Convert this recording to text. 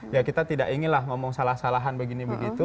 ya kita tidak inginlah ngomong salah salahan begini begitu